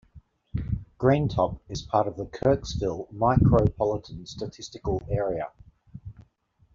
Greentop is part of the Kirksville Micropolitan Statistical Area.